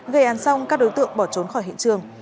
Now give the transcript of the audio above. gây án xong các đối tượng bỏ trốn khỏi hiện trường